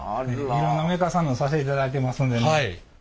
いろんなメーカーさんのさせていただいてますんでね。